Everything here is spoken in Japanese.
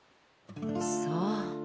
そう。